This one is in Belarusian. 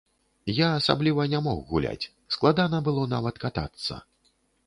Я асабліва не мог гуляць, складана было нават катацца.